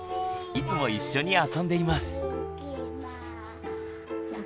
いつも一緒に遊んでいます。